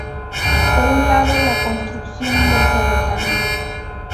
Por un lado la construcción del ferrocarril.